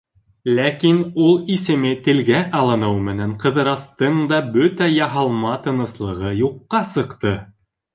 Ләкин ул исеме телгә алыныу менән, Ҡыҙырастың да бөтә яһалма тыныслығы юҡҡа сыҡты.